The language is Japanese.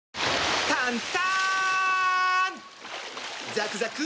ザクザク！